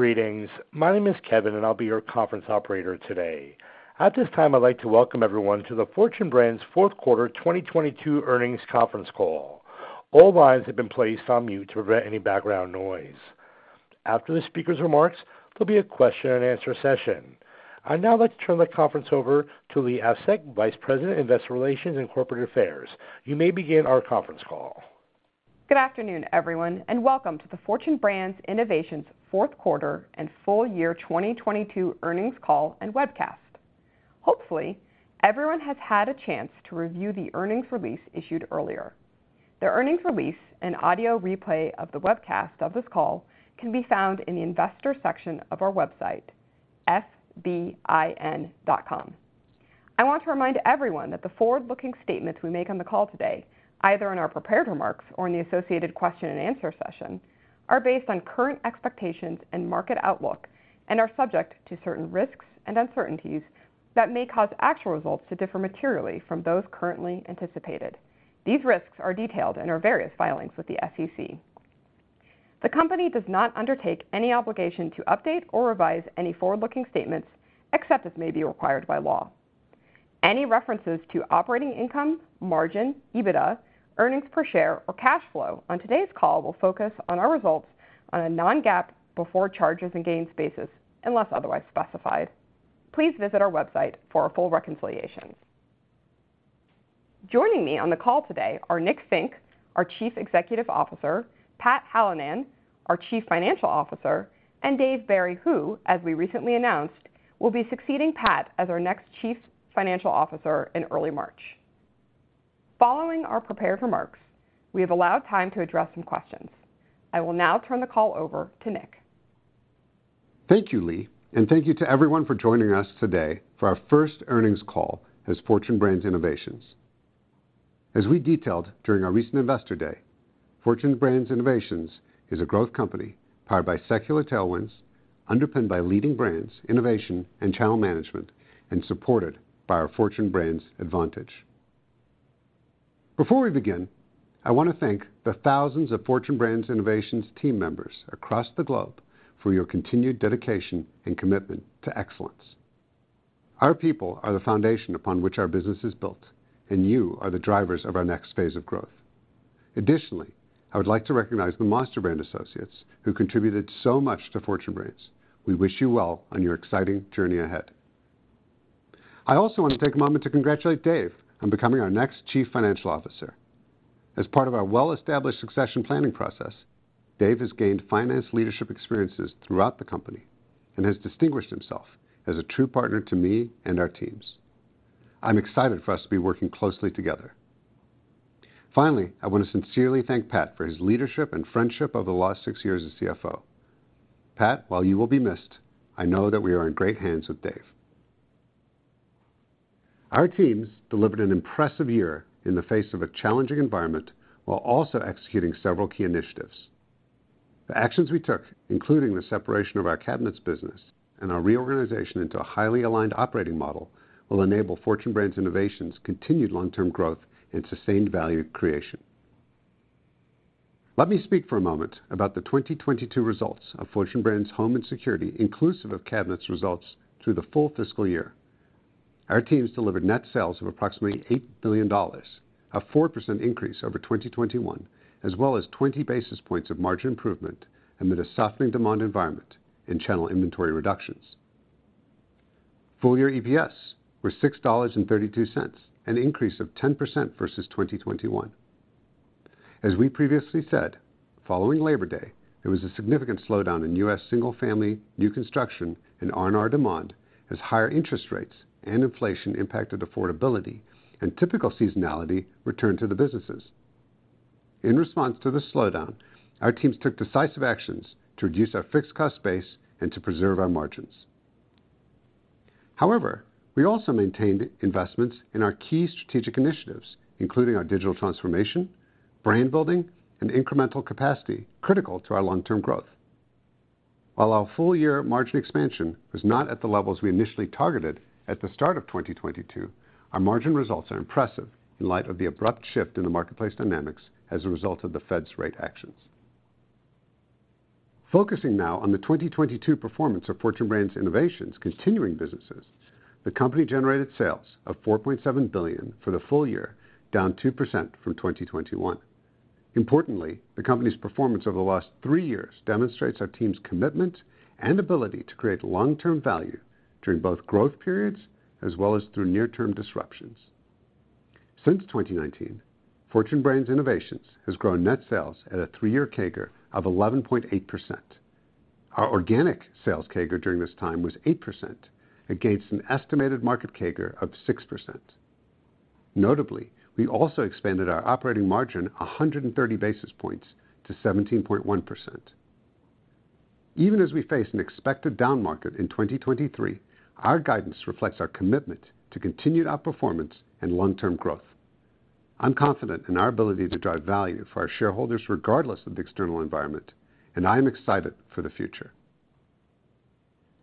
Greetings. My name is Kevin, I'll be your conference operator today. At this time, I'd like to welcome everyone to the Fortune Brands fourth quarter 2022 earnings conference call. All lines have been placed on mute to prevent any background noise. After the speaker's remarks, there'll be a question-and-answer session. I'd now like to turn the conference over to Leigh Avsec, Vice President, Investor Relations and Corporate Affairs. You may begin our conference call. Good afternoon, everyone, welcome to the Fortune Brands Innovations fourth quarter and full year 2022 earnings call and webcast. Hopefully, everyone has had a chance to review the earnings release issued earlier. The earnings release and audio replay of the webcast of this call can be found in the investor section of our website, fbin.com. I want to remind everyone that the forward-looking statements we make on the call today, either in our prepared remarks or in the associated question-and-answer session, are based on current expectations and market outlook and are subject to certain risks and uncertainties that may cause actual results to differ materially from those currently anticipated. These risks are detailed in our various filings with the SEC. The company does not undertake any obligation to update or revise any forward-looking statements except as may be required by law. Any references to operating income, margin, EBITDA, earnings per share, or cash flow on today's call will focus on our results on a non-GAAP before charges and gains basis, unless otherwise specified. Please visit our website for our full reconciliations. Joining me on the call today are Nick Fink, our Chief Executive Officer, Pat Hallinan, our Chief Financial Officer, and Dave Barry, who, as we recently announced, will be succeeding Pat as our next Chief Financial Officer in early March. Following our prepared remarks, we have allowed time to address some questions. I will now turn the call over to Nick. Thank you, Leigh, and thank you to everyone for joining us today for our first earnings call as Fortune Brands Innovations. As we detailed during our recent Investor Day, Fortune Brands Innovations is a growth company powered by secular tailwinds, underpinned by leading brands, innovation and channel management, and supported by our Fortune Brands Advantage. Before we begin, I wanna thank the thousands of Fortune Brands Innovations team members across the globe for your continued dedication and commitment to excellence. Our people are the foundation upon which our business is built. You are the drivers of our next phase of growth. Additionally, I would like to recognize the MasterBrand associates who contributed so much to Fortune Brands. We wish you well on your exciting journey ahead. I also wanna take a moment to congratulate Dave Barry on becoming our next Chief Financial Officer. As part of our well-established succession planning process, Dave has gained finance leadership experiences throughout the company and has distinguished himself as a true partner to me and our teams. I'm excited for us to be working closely together. Finally, I wanna sincerely thank Pat for his leadership and friendship over the last six years as CFO. Pat, while you will be missed, I know that we are in great hands with Dave. Our teams delivered an impressive year in the face of a challenging environment while also executing several key initiatives. The actions we took, including the separation of our Cabinets business and our reorganization into a highly aligned operating model, will enable Fortune Brands Innovations' continued long-term growth and sustained value creation. Let me speak for a moment about the 2022 results of Fortune Brands Home & Security, inclusive of Cabinets results through the full fiscal year. Our teams delivered net sales of approximately $8 billion, a 4% increase over 2021, as well as 20 basis points of margin improvement amid a softening demand environment and channel inventory reductions. Full year EPS were $6.32, an increase of 10% versus 2021. As we previously said, following Labor Day, there was a significant slowdown in U.S. single-family new construction and R&R demand as higher interest rates and inflation impacted affordability and typical seasonality returned to the businesses. In response to the slowdown, our teams took decisive actions to reduce our fixed cost base and to preserve our margins. However, we also maintained investments in our key strategic initiatives, including our digital transformation, brand building, and incremental capacity critical to our long-term growth. While our full year margin expansion was not at the levels we initially targeted at the start of 2022, our margin results are impressive in light of the abrupt shift in the marketplace dynamics as a result of the Fed's rate actions. Focusing now on the 2022 performance of Fortune Brands Innovations' continuing businesses, the company generated sales of $4.7 billion for the full year, down 2% from 2021. Importantly, the company's performance over the last three years demonstrates our team's commitment and ability to create long-term value during both growth periods as well as through near-term disruptions. Since 2019, Fortune Brands Innovations has grown net sales at a three-year CAGR of 11.8%. Our organic sales CAGR during this time was 8% against an estimated market CAGR of 6%. Notably, we also expanded our operating margin 130 basis points to 17.1%. Even as we face an expected down market in 2023, our guidance reflects our commitment to continued outperformance and long-term growth. I'm confident in our ability to drive value for our shareholders regardless of the external environment, and I am excited for the future.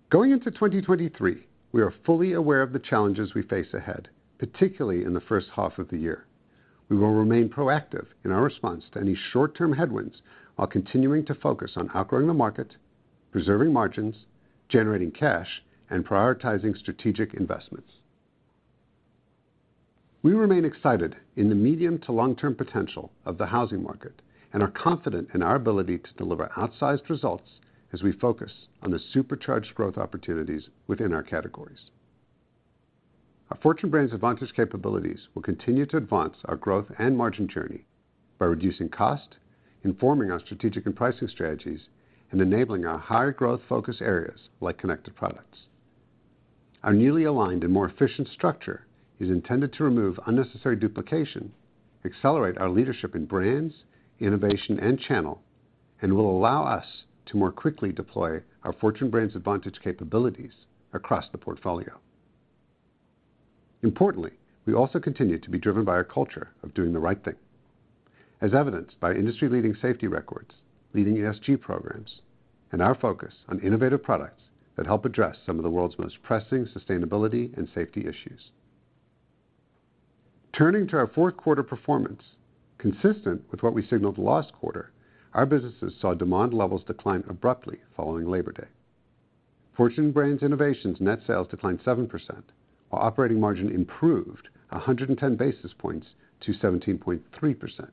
Going into 2023, we are fully aware of the challenges we face ahead, particularly in the first half of the year. We will remain proactive in our response to any short-term headwinds while continuing to focus on outgrowing the market, preserving margins, generating cash, and prioritizing strategic investments. We remain excited in the medium to long-term potential of the housing market and are confident in our ability to deliver outsized results as we focus on the supercharged growth opportunities within our categories. Our Fortune Brands Advantage capabilities will continue to advance our growth and margin journey by reducing cost, informing our strategic and pricing strategies, and enabling our higher growth focus areas like connected products. Our newly aligned and more efficient structure is intended to remove unnecessary duplication, accelerate our leadership in brands, innovation, and channel, and will allow us to more quickly deploy our Fortune Brands Advantage capabilities across the portfolio. Importantly, we also continue to be driven by our culture of doing the right thing, as evidenced by industry-leading safety records, leading ESG programs, and our focus on innovative products that help address some of the world's most pressing sustainability and safety issues. Turning to our fourth quarter performance, consistent with what we signaled last quarter, our businesses saw demand levels decline abruptly following Labor Day. Fortune Brands Innovations net sales declined 7% while operating margin improved 110 basis points to 17.3%.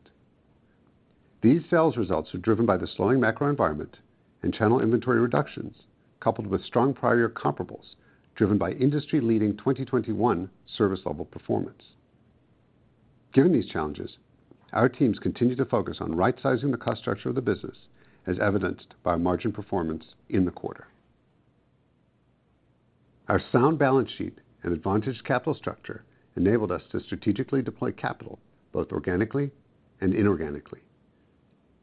These sales results are driven by the slowing macro environment and channel inventory reductions, coupled with strong prior comparables, driven by industry-leading 2021 service level performance. Given these challenges, our teams continue to focus on rightsizing the cost structure of the business, as evidenced by margin performance in the quarter. Our sound balance sheet and advantage capital structure enabled us to strategically deploy capital, both organically and inorganically.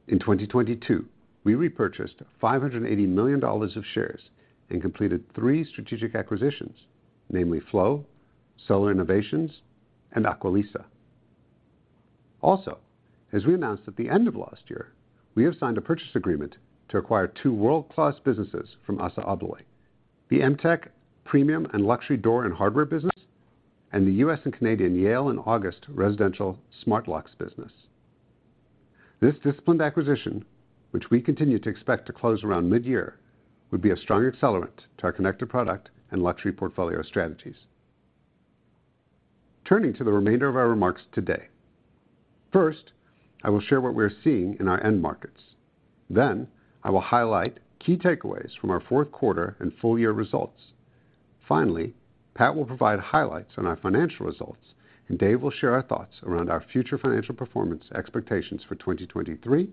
In 2022, we repurchased $580 million of shares and completed three strategic acquisitions, namely Flo, Solar Innovations, and Aqualisa. As we announced at the end of last year, we have signed a purchase agreement to acquire two world-class businesses from ASSA ABLOY, the Emtek premium and luxury door and hardware business, and the U.S. and Canadian Yale and August residential smart locks business. This disciplined acquisition, which we continue to expect to close around mid-year, would be a strong accelerant to our connected product and luxury portfolio strategies. Turning to the remainder of our remarks today. First, I will share what we are seeing in our end markets. I will highlight key takeaways from our fourth quarter and full year results. Pat will provide highlights on our financial results, and Dave will share our thoughts around our future financial performance expectations for 2023,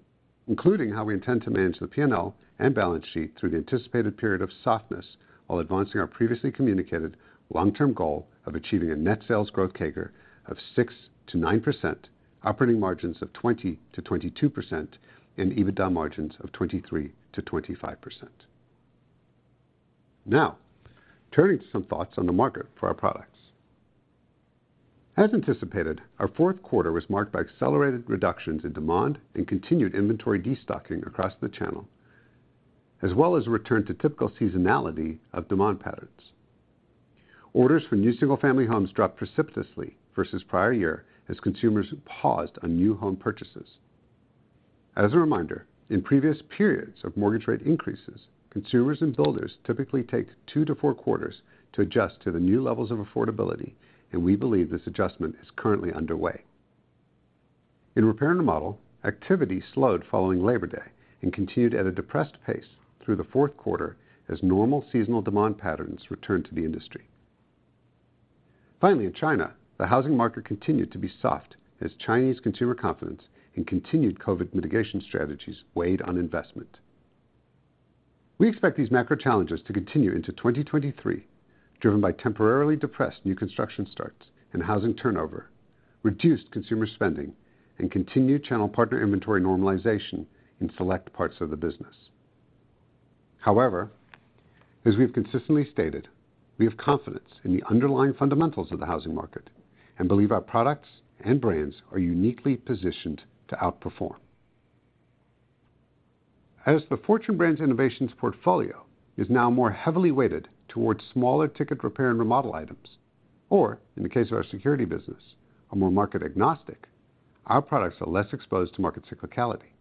including how we intend to manage the P&L and balance sheet through the anticipated period of softness while advancing our previously communicated long-term goal of achieving a net sales growth CAGR of 6%-9%, operating margins of 20%-22%, and EBITDA margins of 23%-25%. Turning to some thoughts on the market for our products. As anticipated, our fourth quarter was marked by accelerated reductions in demand and continued inventory destocking across the channel, as well as a return to typical seasonality of demand patterns. Orders for new single-family homes dropped precipitously versus prior year as consumers paused on new home purchases. As a reminder, in previous periods of mortgage rate increases, consumers and builders typically take two to four quarters to adjust to the new levels of affordability. We believe this adjustment is currently underway. In repair and remodel, activity slowed following Labor Day and continued at a depressed pace through the fourth quarter as normal seasonal demand patterns returned to the industry. Finally, in China, the housing market continued to be soft as Chinese consumer confidence and continued COVID mitigation strategies weighed on investment. We expect these macro challenges to continue into 2023, driven by temporarily depressed new construction starts and housing turnover, reduced consumer spending, and continued channel partner inventory normalization in select parts of the business. However, as we've consistently stated, we have confidence in the underlying fundamentals of the housing market and believe our products and brands are uniquely positioned to outperform. As the Fortune Brands Innovations portfolio is now more heavily weighted towards smaller ticket repair and remodel items, or in the case of our security business, are more market agnostic, our products are less exposed to market cyclicality.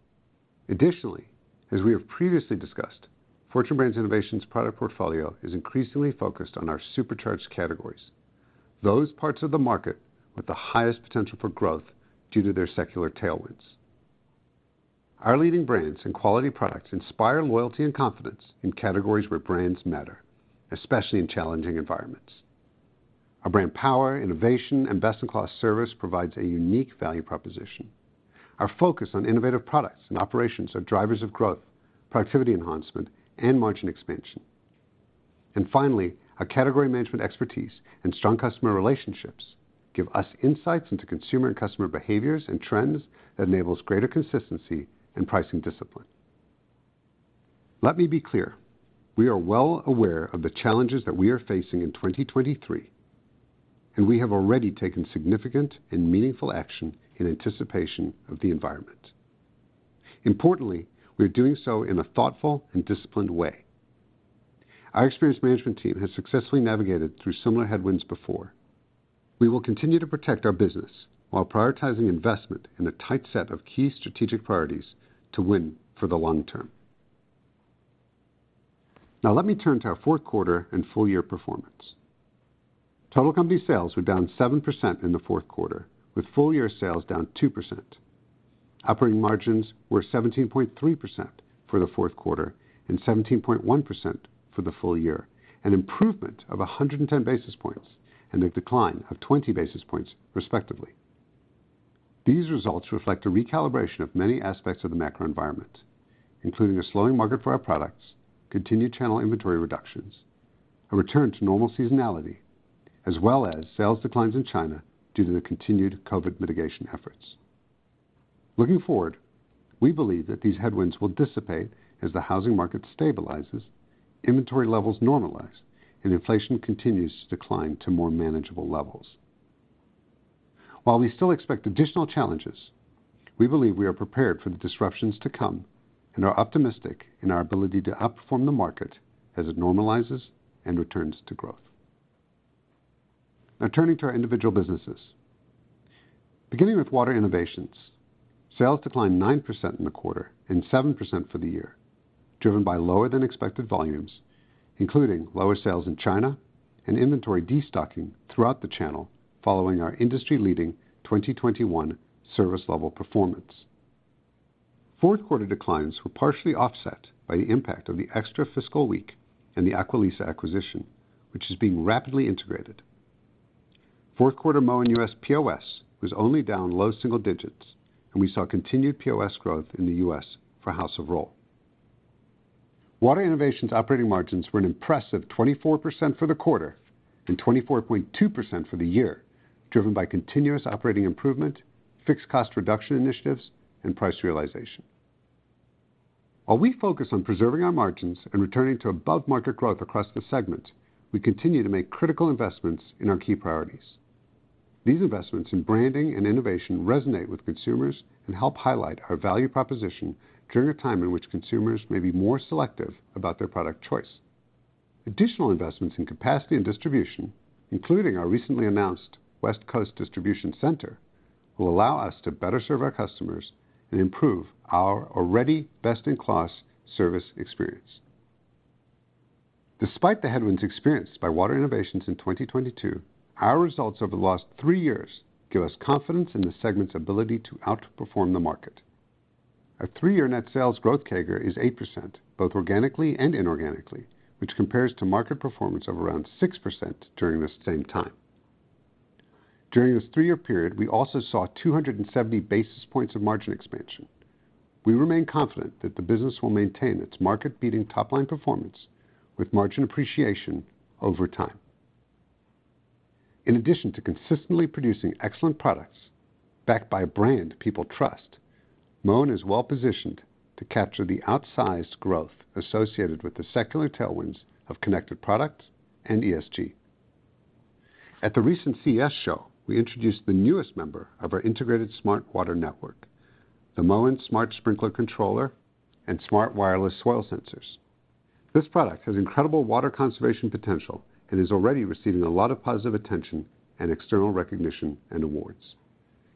Additionally, as we have previously discussed, Fortune Brands Innovations product portfolio is increasingly focused on our supercharged categories, those parts of the market with the highest potential for growth due to their secular tailwinds. Our leading brands and quality products inspire loyalty and confidence in categories where brands matter, especially in challenging environments. Our brand power, innovation, and best-in-class service provides a unique value proposition. Our focus on innovative products and operations are drivers of growth, productivity enhancement, and margin expansion. Finally, our category management expertise and strong customer relationships give us insights into consumer and customer behaviors and trends that enables greater consistency and pricing discipline. Let me be clear. We are well aware of the challenges that we are facing in 2023. We have already taken significant and meaningful action in anticipation of the environment. Importantly, we are doing so in a thoughtful and disciplined way. Our experienced management team has successfully navigated through similar headwinds before. We will continue to protect our business while prioritizing investment in a tight set of key strategic priorities to win for the long term. Now let me turn to our fourth quarter and full year performance. Total company sales were down 7% in the fourth quarter, with full year sales down 2%. Operating margins were 17.3% for the fourth quarter and 17.1% for the full year, an improvement of 110 basis points and a decline of 20 basis points respectively. These results reflect a recalibration of many aspects of the macro environment, including a slowing market for our products, continued channel inventory reductions, a return to normal seasonality, as well as sales declines in China due to the continued COVID mitigation efforts. Looking forward, we believe that these headwinds will dissipate as the housing market stabilizes, inventory levels normalize, and inflation continues to decline to more manageable levels. While we still expect additional challenges, we believe we are prepared for the disruptions to come and are optimistic in our ability to outperform the market as it normalizes and returns to growth. Turning to our individual businesses. Beginning with Water Innovations, sales declined 9% in the quarter and 7% for the year, driven by lower than expected volumes, including lower sales in China and inventory destocking throughout the channel following our industry-leading 2021 service level performance. Fourth quarter declines were partially offset by the impact of the extra fiscal week and the Aqualisa acquisition, which is being rapidly integrated. Fourth quarter Moen U.S. POS was only down low single digits, and we saw continued POS growth in the U.S. for House of Rohl. Water Innovations operating margins were an impressive 24% for the quarter and 24.2% for the year, driven by continuous operating improvement, fixed cost reduction initiatives and price realization. While we focus on preserving our margins and returning to above market growth across the segment, we continue to make critical investments in our key priorities. These investments in branding and innovation resonate with consumers and help highlight their value proposition during a time in which consumers may be more selective about their product choice. Additional investments in capacity and distribution, including our recently announced West Coast distribution center, will allow us to better serve our customers and improve our already best-in-class service experience. Despite the headwinds experienced by Water Innovations in 2022, our results over the last three years give us confidence in the segment's ability to outperform the market. Our three-year net sales growth CAGR is 8%, both organically and inorganically, which compares to market performance of around 6% during this same time. During this three-year period, we also saw 270 basis points of margin expansion. We remain confident that the business will maintain its market-leading top-line performance with margin appreciation over time. In addition to consistently producing excellent products backed by a brand people trust, Moen is well positioned to capture the outsized growth associated with the secular tailwinds of connected products and ESG. At the recent CES show, we introduced the newest member of our integrated Smart Water Network, the Moen Smart Sprinkler Controller and Smart Wireless Soil Sensors. This product has incredible water conservation potential and is already receiving a lot of positive attention and external recognition and awards.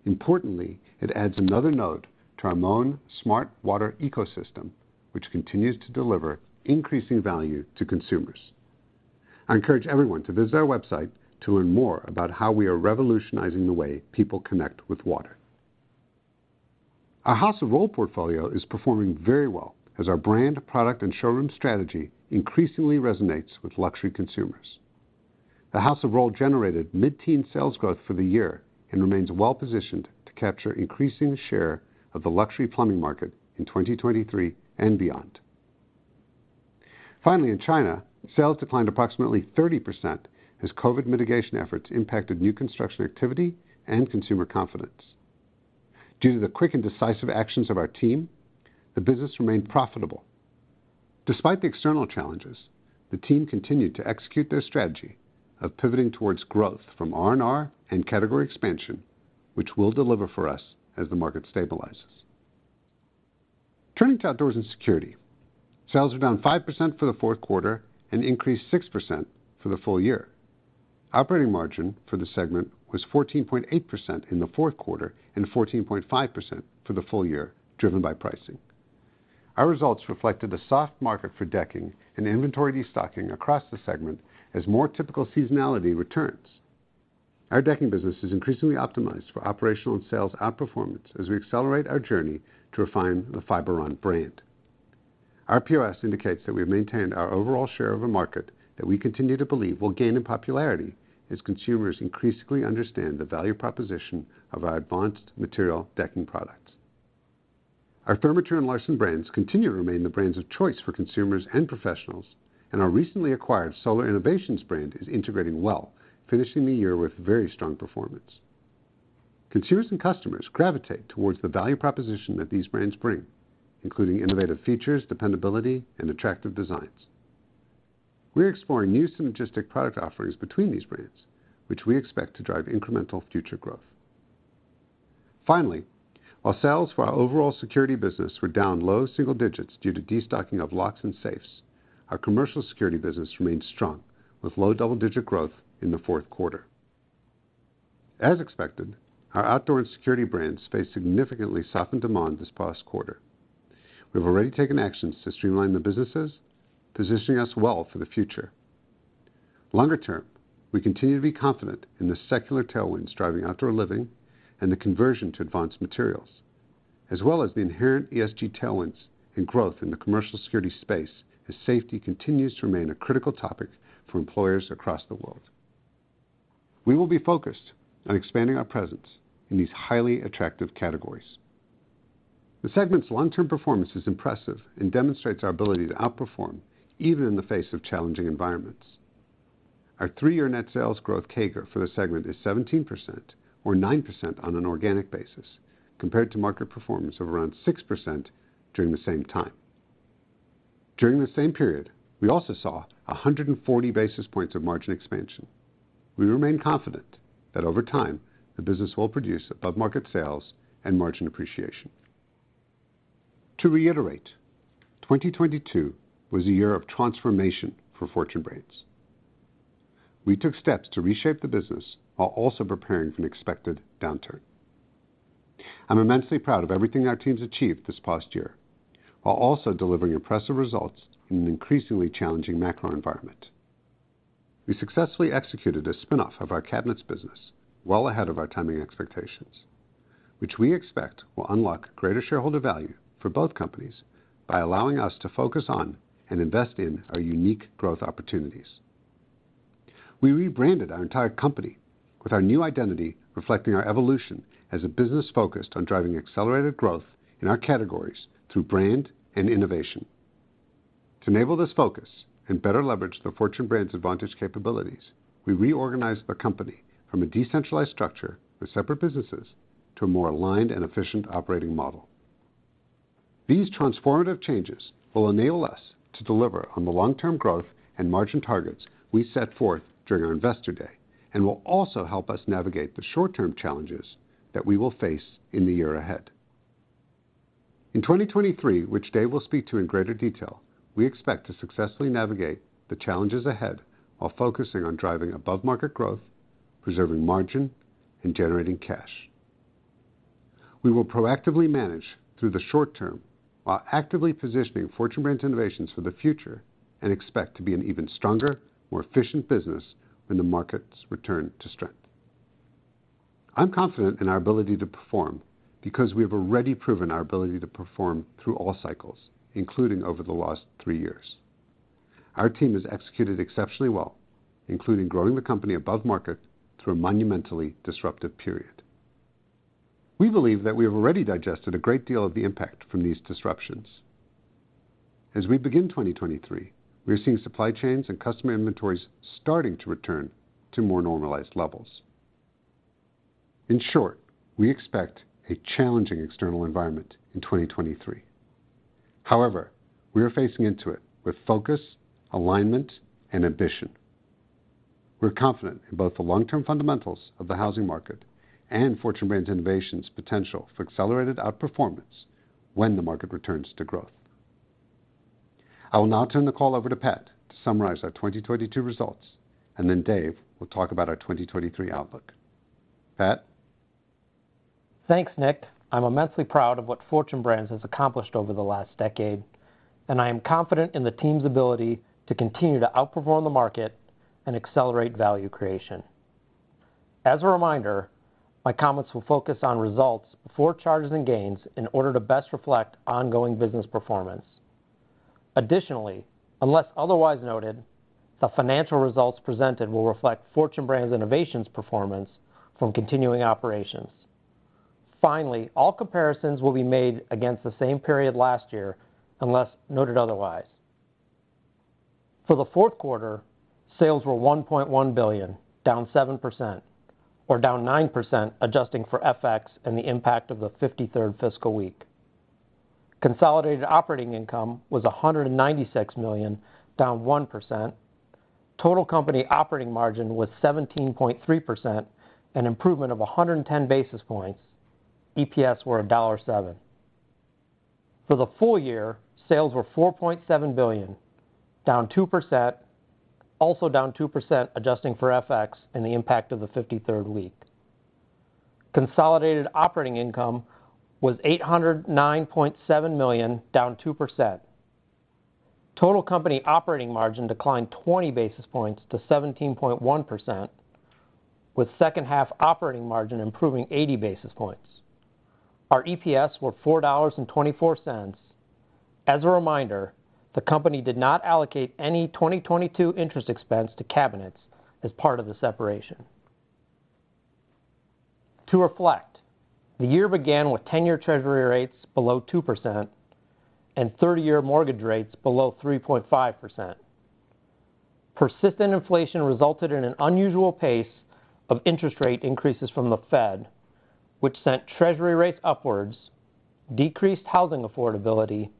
Importantly, it adds another node to our Moen Smart Water Ecosystem, which continues to deliver increasing value to consumers. I encourage everyone to visit our website to learn more about how we are revolutionizing the way people connect with water. Our House of Rohl portfolio is performing very well as our brand, product, and showroom strategy increasingly resonates with luxury consumers. The House of Rohl generated mid-teen sales growth for the year and remains well positioned to capture increasing share of the luxury plumbing market in 2023 and beyond. In China, sales declined approximately 30% as COVID mitigation efforts impacted new construction activity and consumer confidence. Due to the quick and decisive actions of our team, the business remained profitable. Despite the external challenges, the team continued to execute their strategy of pivoting towards growth from R&R and category expansion, which will deliver for us as the market stabilizes. Turning to Outdoors & Security, sales were down 5% for the fourth quarter and increased 6% for the full year. Operating margin for the segment was 14.8% in the fourth quarter and 14.5% for the full year, driven by pricing. Our results reflected the soft market for decking and inventory destocking across the segment as more typical seasonality returns. Our decking business is increasingly optimized for operational and sales outperformance as we accelerate our journey to refine the Fiberon brand. Our POS indicates that we have maintained our overall share of a market that we continue to believe will gain in popularity as consumers increasingly understand the value proposition of our advanced material decking products. Our Therma-Tru and Larson brands continue to remain the brands of choice for consumers and professionals, and our recently acquired Solar Innovations brand is integrating well, finishing the year with very strong performance. Consumers and customers gravitate towards the value proposition that these brands bring, including innovative features, dependability, and attractive designs. We're exploring new synergistic product offerings between these brands, which we expect to drive incremental future growth. Finally, while sales for our overall security business were down low single digits due to destocking of locks and safes, our commercial security business remained strong with low double-digit growth in the fourth quarter. As expected, our outdoor and security brands faced significantly softened demand this past quarter. We've already taken actions to streamline the businesses, positioning us well for the future. Longer term, we continue to be confident in the secular tailwinds driving outdoor living and the conversion to advanced materials, as well as the inherent ESG tailwinds and growth in the commercial security space as safety continues to remain a critical topic for employers across the world. We will be focused on expanding our presence in these highly attractive categories. The segment's long-term performance is impressive and demonstrates our ability to outperform even in the face of challenging environments. Our three-year net sales growth CAGR for the segment is 17% or 9% on an organic basis, compared to market performance of around 6% during the same time. During the same period, we also saw 140 basis points of margin expansion. We remain confident that over time, the business will produce above-market sales and margin appreciation. To reiterate, 2022 was a year of transformation for Fortune Brands. We took steps to reshape the business while also preparing for an expected downturn. I'm immensely proud of everything our teams achieved this past year, while also delivering impressive results in an increasingly challenging macro environment. We successfully executed a spin-off of our cabinets business well ahead of our timing expectations, which we expect will unlock greater shareholder value for both companies by allowing us to focus on and invest in our unique growth opportunities. We rebranded our entire company with our new identity reflecting our evolution as a business focused on driving accelerated growth in our categories through brand and innovation. To enable this focus and better leverage the Fortune Brands Advantage capabilities, we reorganized the company from a decentralized structure for separate businesses to a more aligned and efficient operating model. These transformative changes will enable us to deliver on the long-term growth and margin targets we set forth during our Investor Day and will also help us navigate the short-term challenges that we will face in the year ahead. In 2023, which Dave will speak to in greater detail, we expect to successfully navigate the challenges ahead while focusing on driving above-market growth, preserving margin, and generating cash. We will proactively manage through the short term while actively positioning Fortune Brands Innovations for the future and expect to be an even stronger, more efficient business when the markets return to strength. I'm confident in our ability to perform because we have already proven our ability to perform through all cycles, including over the last three years. Our team has executed exceptionally well, including growing the company above market through a monumentally disruptive period. We believe that we have already digested a great deal of the impact from these disruptions. As we begin 2023, we are seeing supply chains and customer inventories starting to return to more normalized levels. In short, we expect a challenging external environment in 2023. We are facing into it with focus, alignment, and ambition. We're confident in both the long-term fundamentals of the housing market and Fortune Brands Innovations' potential for accelerated outperformance when the market returns to growth. I will now turn the call over to Pat to summarize our 2022 results, and then Dave will talk about our 2023 outlook. Pat? Thanks, Nick. I'm immensely proud of what Fortune Brands has accomplished over the last decade. I am confident in the team's ability to continue to outperform the market and accelerate value creation. As a reminder, my comments will focus on results before charges and gains in order to best reflect ongoing business performance. Additionally, unless otherwise noted, the financial results presented will reflect Fortune Brands Innovations' performance from continuing operations. Finally, all comparisons will be made against the same period last year, unless noted otherwise. For the fourth quarter, sales were $1.1 billion, down 7%, or down 9% adjusting for FX and the impact of the 53rd fiscal week. Consolidated operating income was $196 million, down 1%. Total company operating margin was 17.3%, an improvement of 110 basis points. EPS were $1.07. For the full year, sales were $4.7 billion, down 2%, also down 2% adjusting for FX and the impact of the 53rd week. Consolidated operating income was $809.7 million, down 2%. Total company operating margin declined 20 basis points to 17.1%, with second half operating margin improving 80 basis points. Our EPS were $4.24. As a reminder, the company did not allocate any 2022 interest expense to Cabinets as part of the separation. To reflect, the year began with 10-year Treasury rates below 2% and 30-year mortgage rates below 3.5%. Persistent inflation resulted in an unusual pace of interest rate increases from the Fed. Which sent Treasury rates upwards, decreased housing affordability,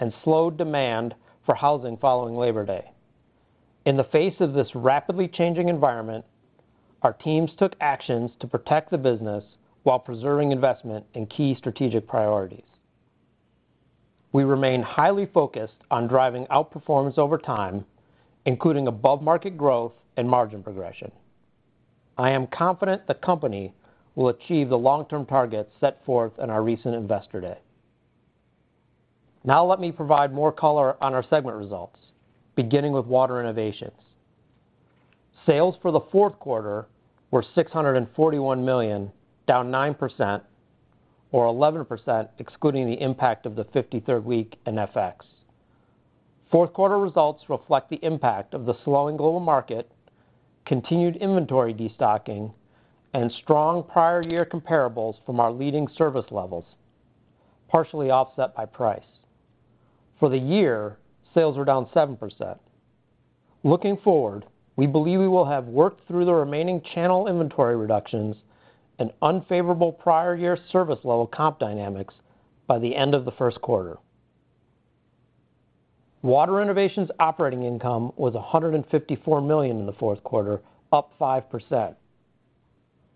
and slowed demand for housing following Labor Day. In the face of this rapidly changing environment, our teams took actions to protect the business while preserving investment in key strategic priorities. We remain highly focused on driving outperformance over time, including above-market growth and margin progression. I am confident the company will achieve the long-term targets set forth in our recent Investor Day. Let me provide more color on our segment results, beginning with Water Innovations. Sales for the fourth quarter were $641 million, down 9%, or 11% excluding the impact of the 53rd week in FX. Fourth quarter results reflect the impact of the slowing global market, continued inventory destocking, and strong prior year comparables from our leading service levels, partially offset by price. For the year, sales were down 7%. Looking forward, we believe we will have worked through the remaining channel inventory reductions and unfavorable prior year service level comp dynamics by the end of the first quarter. Water Innovations operating income was $154 million in the fourth quarter, up 5%.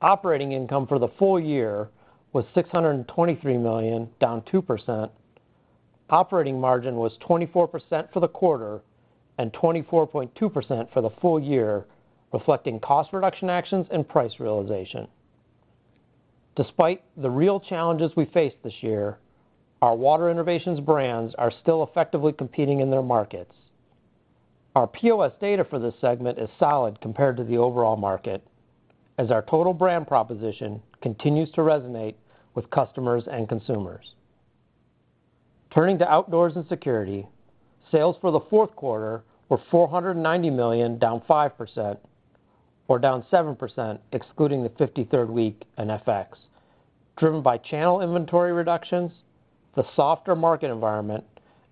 Operating income for the full year was $623 million, down 2%. Operating margin was 24% for the quarter and 24.2% for the full year, reflecting cost reduction actions and price realization. Despite the real challenges we faced this year, our Water Innovations brands are still effectively competing in their markets. Our POS data for this segment is solid compared to the overall market, as our total brand proposition continues to resonate with customers and consumers. Turning to Outdoors & Security, sales for the fourth quarter were $490 million, down 5%, or down 7% excluding the 53rd week in FX, driven by channel inventory reductions, the softer market environment,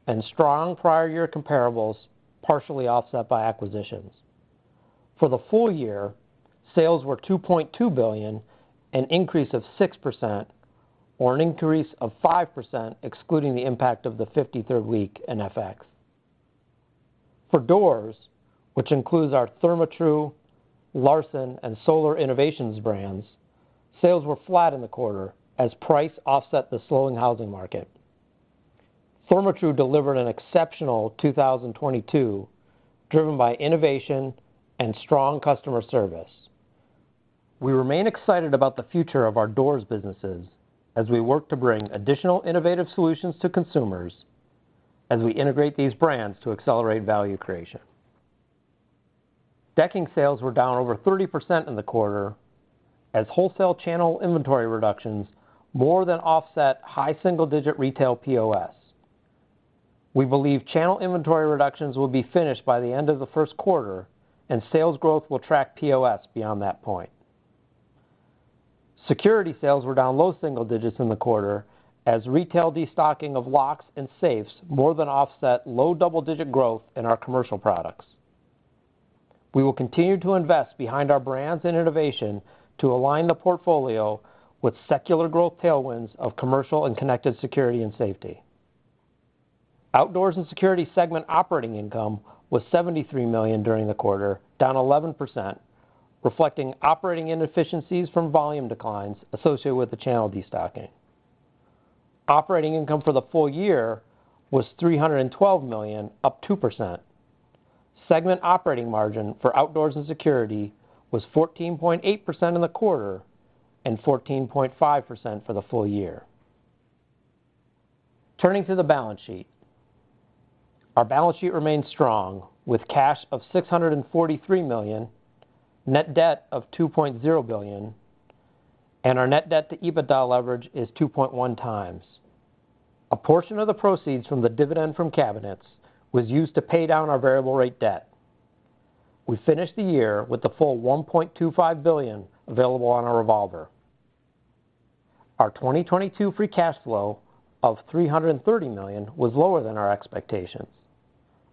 and strong prior year comparables, partially offset by acquisitions. For the full year, sales were $2.2 billion, an increase of 6%, or an increase of 5% excluding the impact of the 53rd week in FX. For Doors, which includes our Therma-Tru, Larson and Solar Innovations brands, sales were flat in the quarter as price offset the slowing housing market. Therma-Tru delivered an exceptional 2022, driven by innovation and strong customer service. We remain excited about the future of our Doors businesses as we work to bring additional innovative solutions to consumers as we integrate these brands to accelerate value creation. Decking sales were down over 30% in the quarter as wholesale channel inventory reductions more than offset high single-digit retail POS. We believe channel inventory reductions will be finished by the end of the first quarter, and sales growth will track POS beyond that point. Security sales were down low single digits in the quarter as retail destocking of locks and safes more than offset low double-digit growth in our commercial products. We will continue to invest behind our brands and innovation to align the portfolio with secular growth tailwinds of commercial and connected security and safety. Outdoors & Security segment operating income was $73 million during the quarter, down 11%, reflecting operating inefficiencies from volume declines associated with the channel destocking. Operating income for the full year was $312 million, up 2%. Segment operating margin for Outdoors & Security was 14.8% in the quarter and 14.5% for the full year. Turning to the balance sheet. Our balance sheet remains strong with cash of $643 million, net debt of $2.0 billion, and our net debt to EBITDA leverage is 2.1x. A portion of the proceeds from the dividend from Cabinets was used to pay down our variable rate debt. We finished the year with the full $1.25 billion available on our revolver. Our 2022 free cash flow of $330 million was lower than our expectations.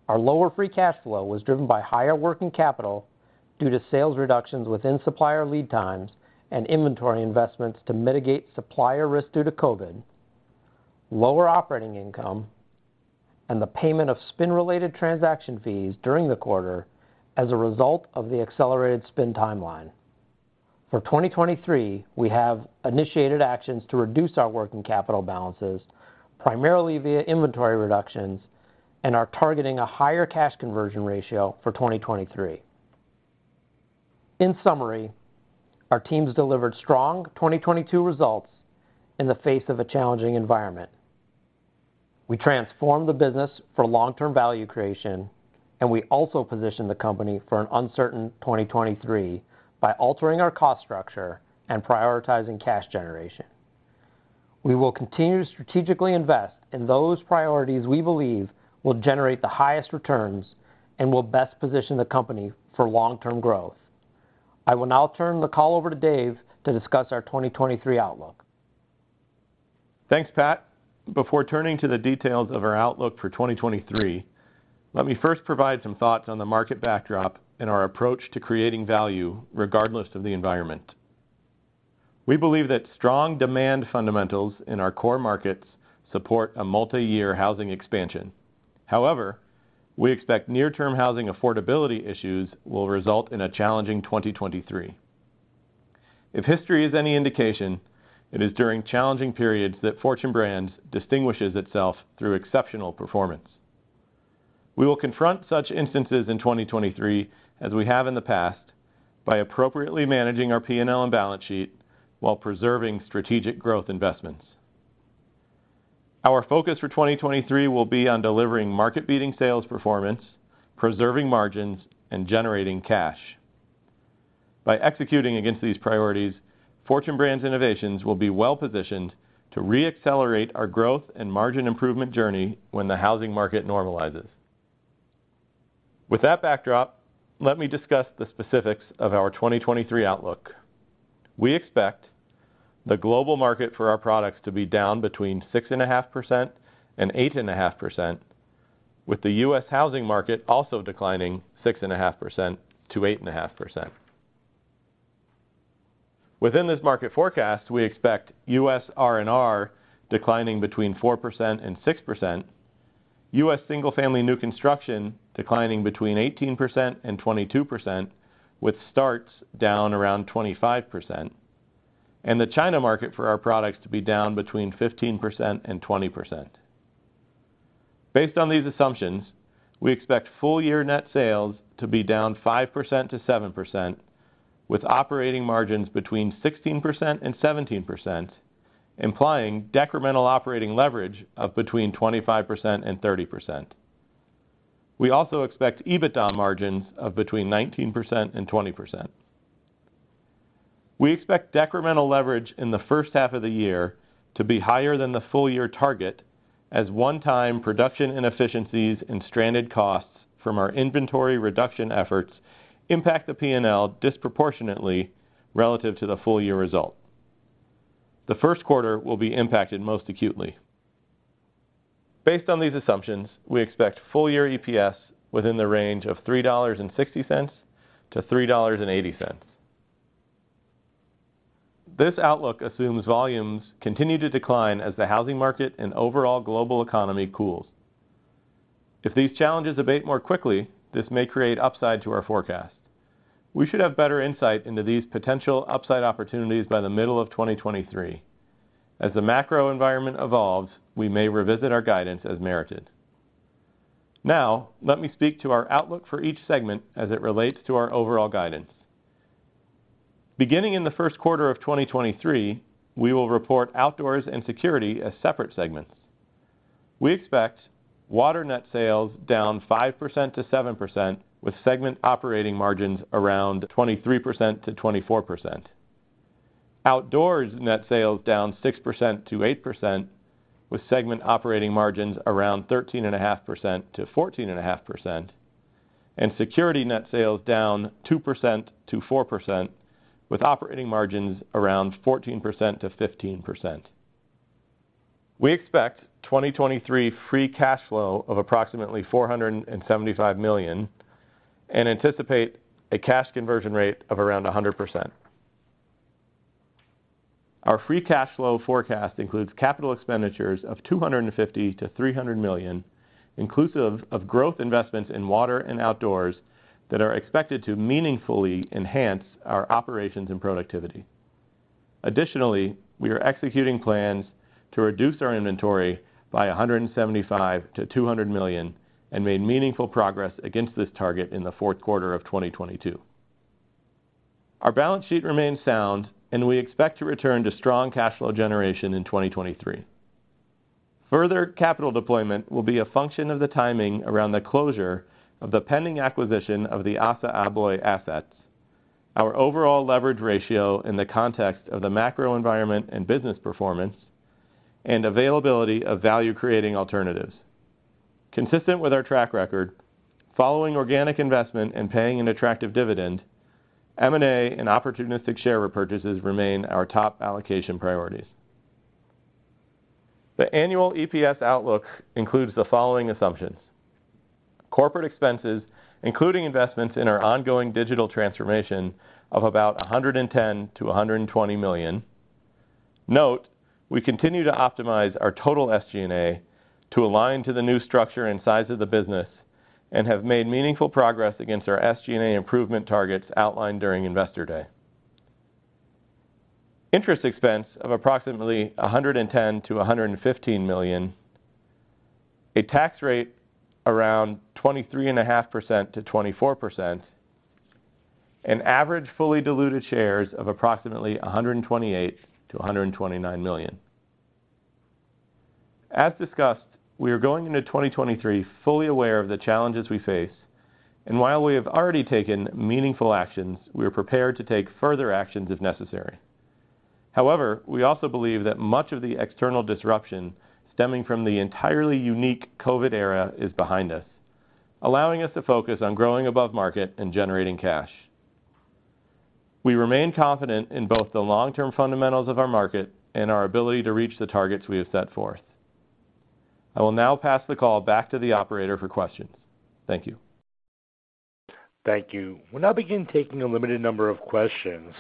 Our lower free cash flow was driven by higher working capital due to sales reductions within supplier lead times and inventory investments to mitigate supplier risk due to COVID, lower operating income, and the payment of spin-related transaction fees during the quarter as a result of the accelerated spin timeline. For 2023, we have initiated actions to reduce our working capital balances, primarily via inventory reductions, and are targeting a higher cash conversion ratio for 2023. In summary, our teams delivered strong 2022 results in the face of a challenging environment. We transformed the business for long-term value creation, and we also positioned the company for an uncertain 2023 by altering our cost structure and prioritizing cash generation. We will continue to strategically invest in those priorities we believe will generate the highest returns and will best position the company for long-term growth. I will now turn the call over to Dave to discuss our 2023 outlook. Thanks, Pat. Before turning to the details of our outlook for 2023, let me first provide some thoughts on the market backdrop and our approach to creating value regardless of the environment. We believe that strong demand fundamentals in our core markets support a multi-year housing expansion. We expect near-term housing affordability issues will result in a challenging 2023. If history is any indication, it is during challenging periods that Fortune Brands distinguishes itself through exceptional performance. We will confront such instances in 2023, as we have in the past, by appropriately managing our P&L and balance sheet while preserving strategic growth investments. Our focus for 2023 will be on delivering market-beating sales performance, preserving margins, and generating cash. By executing against these priorities, Fortune Brands Innovations will be well-positioned to re-accelerate our growth and margin improvement journey when the housing market normalizes. With that backdrop, let me discuss the specifics of our 2023 outlook. We expect the global market for our products to be down between 6.5% and 8.5%, with the U.S. housing market also declining 6.5%-8.5%. Within this market forecast, we expect U.S. R&R declining between 4% and 6%, U.S. single-family new construction declining between 18% and 22% with starts down around 25%, and the China market for our products to be down between 15% and 20%. Based on these assumptions, we expect full year net sales to be down 5%-7% with operating margins between 16% and 17%, implying decremental operating leverage of between 25% and 30%. We also expect EBITDA margins of between 19% and 20%. We expect decremental leverage in the first half of the year to be higher than the full year target as one-time production inefficiencies and stranded costs from our inventory reduction efforts impact the P&L disproportionately relative to the full year result. The first quarter will be impacted most acutely. Based on these assumptions, we expect full year EPS within the range of $3.60-$3.80. This outlook assumes volumes continue to decline as the housing market and overall global economy cools. If these challenges abate more quickly, this may create upside to our forecast. We should have better insight into these potential upside opportunities by the middle of 2023. As the macro environment evolves, we may revisit our guidance as merited. Let me speak to our outlook for each segment as it relates to our overall guidance. Beginning in the first quarter of 2023, we will report Outdoors & Security as separate segments. We expect Water Innovations net sales down 5%-7% with segment operating margins around 23%-24%. Outdoors net sales down 6%-8% with segment operating margins around 13.5%-14.5%, and Security net sales down 2%-4% with operating margins around 14%-15%. We expect 2023 free cash flow of approximately $475 million and anticipate a cash conversion rate of around 100%. Our free cash flow forecast includes capital expenditures of $250 million-$300 million, inclusive of growth investments in Water and Outdoors that are expected to meaningfully enhance our operations and productivity. Additionally, we are executing plans to reduce our inventory by $175 million-$200 million and made meaningful progress against this target in the fourth quarter of 2022. Our balance sheet remains sound, and we expect to return to strong cash flow generation in 2023. Further capital deployment will be a function of the timing around the closure of the pending acquisition of the ASSA ABLOY assets. Our overall leverage ratio in the context of the macro environment and business performance and availability of value-creating alternatives. Consistent with our track record, following organic investment and paying an attractive dividend, M&A and opportunistic share repurchases remain our top allocation priorities. The annual EPS outlook includes the following assumptions: Corporate expenses, including investments in our ongoing digital transformation of about $110 million-$120 million. Note, we continue to optimize our total SG&A to align to the new structure and size of the business and have made meaningful progress against our SG&A improvement targets outlined during Investor Day. Interest expense of approximately $110 million-$115 million. A tax rate around 23.5%-24%. An average fully diluted shares of approximately 128 million-129 million. As discussed, we are going into 2023 fully aware of the challenges we face, while we have already taken meaningful actions, we are prepared to take further actions if necessary. We also believe that much of the external disruption stemming from the entirely unique COVID era is behind us, allowing us to focus on growing above market and generating cash. We remain confident in both the long-term fundamentals of our market and our ability to reach the targets we have set forth. I will now pass the call back to the operator for questions. Thank you. Thank you. We'll now begin taking a limited number of questions.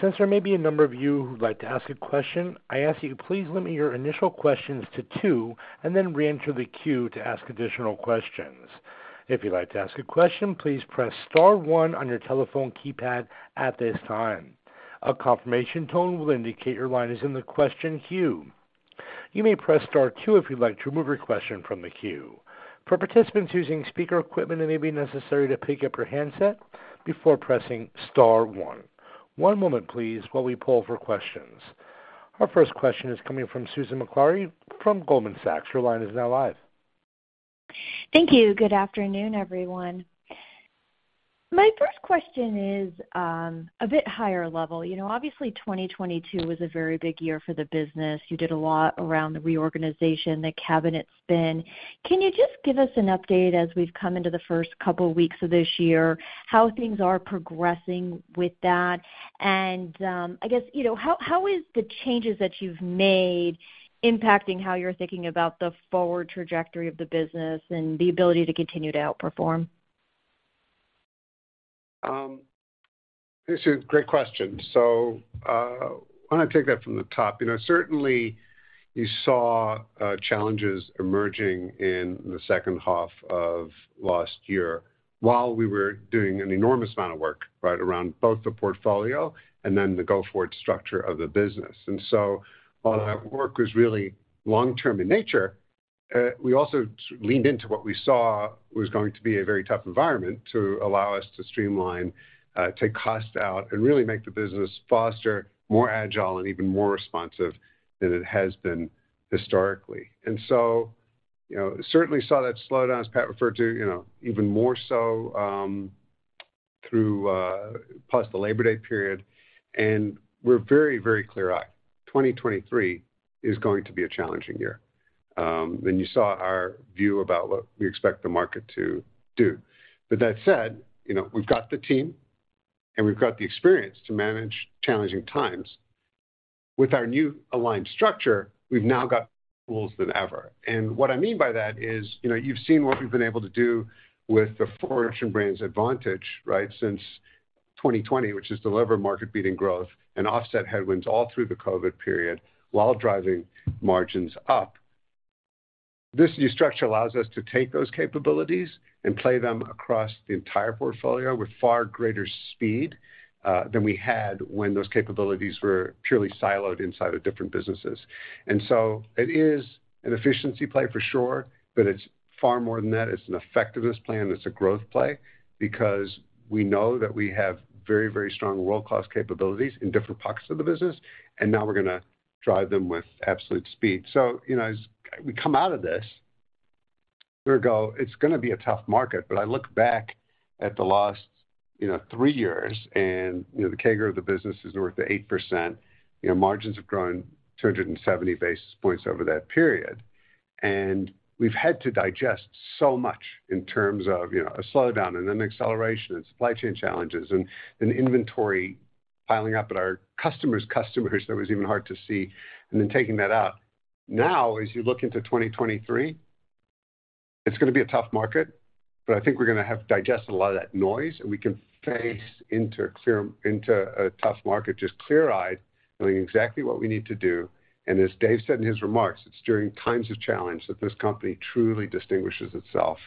Since there may be a number of you who'd like to ask a question, I ask you to please limit your initial questions to two and then reenter the queue to ask additional questions. If you'd like to ask a question, please press star one on your telephone keypad at this time. A confirmation tone will indicate your line is in the question queue. You may press star two if you'd like to remove your question from the queue. For participants using speaker equipment, it may be necessary to pick up your handset before pressing star one. One moment, please, while we poll for questions. Our first question is coming from Susan Maklari from Goldman Sachs. Your line is now live. Thank you. Good afternoon, everyone. My first question is a bit higher level. You know, obviously, 2022 was a very big year for the business. You did a lot around the reorganization, the cabinet spin. Can you just give us an update as we've come into the first couple weeks of this year, how things are progressing with that? I guess, you know, how is the changes that you've made impacting how you're thinking about the forward trajectory of the business and the ability to continue to outperform? This is a great question. Why don't I take that from the top? You know, certainly you saw challenges emerging in the second half of last year while we were doing an enormous amount of work, right, around both the portfolio and then the go-forward structure of the business. While that work was really long-term in nature, we also leaned into what we saw was going to be a very tough environment to allow us to streamline, take cost out and really make the business faster, more agile, and even more responsive than it has been historically. You know, certainly saw that slowdown, as Pat referred to, you know, even more so, through plus the Labor Day period, and we're very, very clear-eyed. 2023 is going to be a challenging year. You saw our view about what we expect the market to do. That said, you know, we've got the team, and we've got the experience to manage challenging times. With our new aligned structure, we've now got tools than ever. What I mean by that is, you know, you've seen what we've been able to do with the Fortune Brands Advantage, right, since 2020, which is deliver market-beating growth and offset headwinds all through the COVID period while driving margins up. This new structure allows us to take those capabilities and play them across the entire portfolio with far greater speed than we had when those capabilities were purely siloed inside of different businesses. It is an efficiency play for sure, but it's far more than that. It's an effectiveness plan. It's a growth play because we know that we have very, very strong world-class capabilities in different pockets of the business, and now we're gonna drive them with absolute speed. As we come out of this, it's gonna be a tough market, but I look back at the last, you know, three years and, you know, the CAGR of the business is north of 8%. You know, margins have grown 270 basis points over that period. We've had to digest so much in terms of, you know, a slowdown and an acceleration and supply chain challenges and inventory piling up at our customer's customers that was even hard to see, and then taking that out. As you look into 2023, it's gonna be a tough market, but I think we're gonna have digested a lot of that noise, and we can face into a tough market just clear-eyed, knowing exactly what we need to do. As Dave said in his remarks, it's during times of challenge that this company truly distinguishes itself.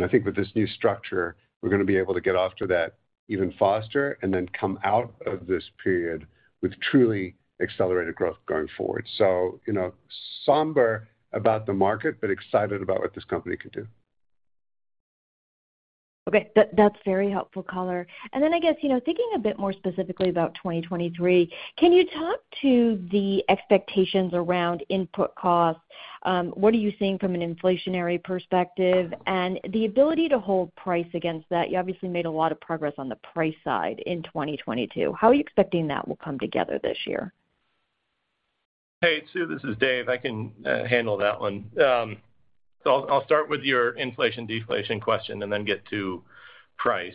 I think with this new structure, we're gonna be able to get after that even faster and then come out of this period with truly accelerated growth going forward. You know, somber about the market, but excited about what this company can do. Okay. That's very helpful color. I guess, you know, thinking a bit more specifically about 2023, can you talk to the expectations around input costs? What are you seeing from an inflationary perspective? The ability to hold price against that, you obviously made a lot of progress on the price side in 2022. How are you expecting that will come together this year? Hey, Sue, this is Dave. I can handle that one. I'll start with your inflation/deflation question and then get to price.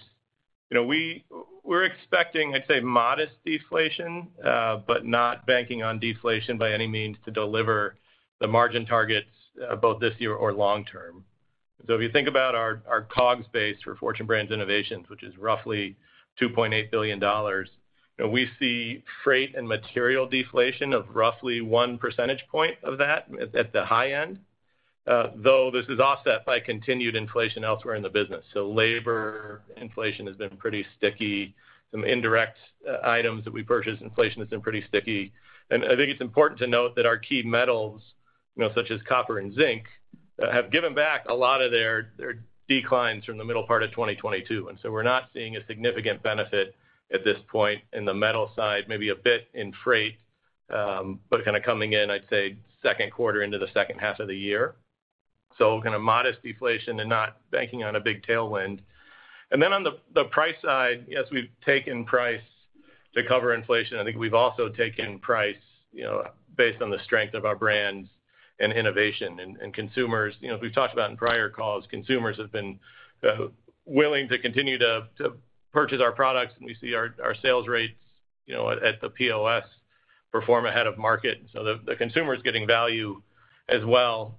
You know, we're expecting, I'd say, modest deflation, but not banking on deflation by any means to deliver the margin targets, both this year or long term. If you think about our COGS base for Fortune Brands Innovations, which is roughly $2.8 billion, you know, we see freight and material deflation of roughly 1 percentage point of that at the high end, though this is offset by continued inflation elsewhere in the business. Labor inflation has been pretty sticky. Some indirect items that we purchase, inflation has been pretty sticky. I think it's important to note that our key metals, you know, such as copper and zinc, have given back a lot of their declines from the middle part of 2022, we're not seeing a significant benefit at this point in the metal side, maybe a bit in freight, but kind of coming in, I'd say, second quarter into the second half of the year. Kind of modest deflation and not banking on a big tailwind. On the price side, yes, we've taken price to cover inflation. I think we've also taken price, you know, based on the strength of our brands and innovation. Consumers, you know, as we've talked about in prior calls, consumers have been willing to continue to purchase our products, and we see our sales rates, you know, at the POS perform ahead of market, so the consumer is getting value as well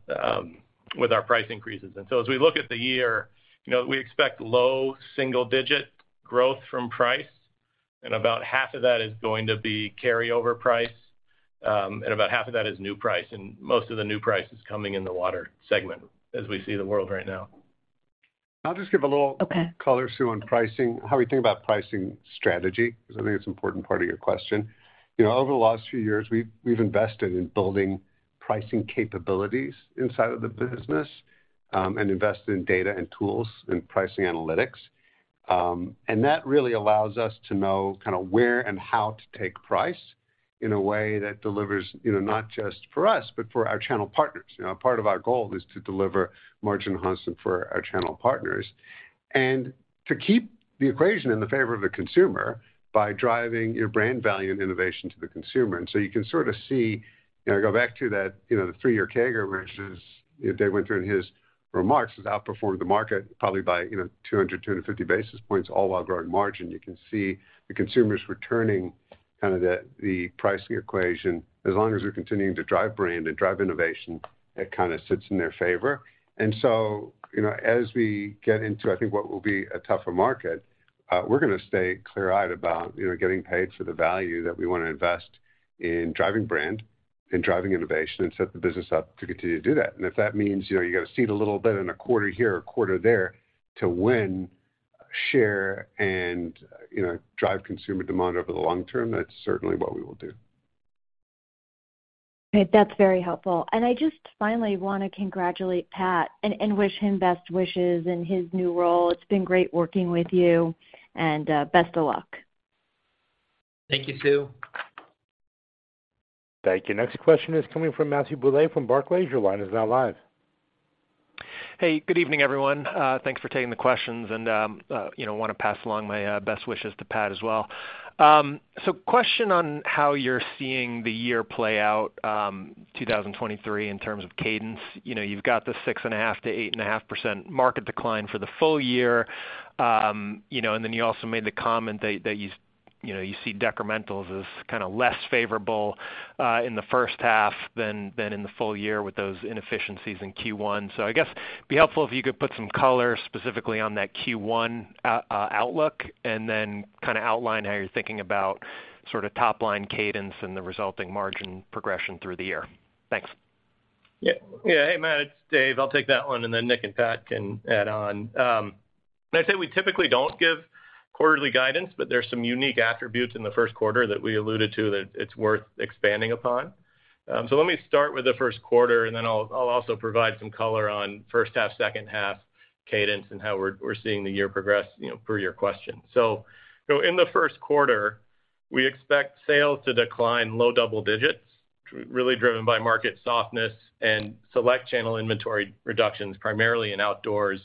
with our price increases. As we look at the year, you know, we expect low single-digit growth from price, and about half of that is going to be carryover price, and about half of that is new price, and most of the new price is coming in the water segment as we see the world right now. I'll just give. Okay. -color, Sue, on pricing, how we think about pricing strategy, because I think it's important part of your question. You know, over the last few years, we've invested in building pricing capabilities inside of the business, and invested in data and tools and pricing analytics. That really allows us to know kind of where and how to take price in a way that delivers, you know, not just for us, but for our channel partners. You know, part of our goal is to deliver margin enhancement for our channel partners and to keep the equation in the favor of the consumer by driving your brand value and innovation to the consumer. You can sort of see, you know, go back to that, you know, the three-year CAGR, which is, Dave went through in his remarks, has outperformed the market probably by, you know, 200-250 basis points, all while growing margin. You can see the consumers returning kind of the pricing equation. As long as we're continuing to drive brand and drive innovation, it kind of sits in their favor. As we get into, I think, what will be a tougher market, we're gonna stay clear-eyed about, you know, getting paid for the value that we wanna invest in driving brand, in driving innovation and set the business up to continue to do that. If that means, you know, you got to cede a little bit in a quarter here or a quarter there to win share and, you know, drive consumer demand over the long term, that's certainly what we will do. Okay, that's very helpful. I just finally wanna congratulate Pat and wish him best wishes in his new role. It's been great working with you and best of luck. Thank you, Sue. Thank you. Next question is coming from Matthew Bouley from Barclays. Your line is now live. Hey, good evening, everyone. Thanks for taking the questions and, you know, wanna pass along my best wishes to Pat as well. Question on how you're seeing the year play out, 2023 in terms of cadence. You know, you've got the 6.5%-8.5% market decline for the full year, you know, you also made the comment that you know, you see decrementals as kinda less favorable in the first half than in the full year with those inefficiencies in Q1. I guess it'd be helpful if you could put some color specifically on that Q1 outlook and kinda outline how you're thinking about sort of top-line cadence and the resulting margin progression through the year. Thanks. Yeah. Yeah. Hey, Matt, it's Dave. I'll take that one. Nick and Pat can add on. As I said, we typically don't give quarterly guidance. There's some unique attributes in the first quarter that we alluded to that it's worth expanding upon. Let me start with the first quarter. I'll also provide some color on first half, second half cadence and how we're seeing the year progress, you know, per your question. In the first quarter, we expect sales to decline low double digits, really driven by market softness and select channel inventory reductions, primarily in Outdoors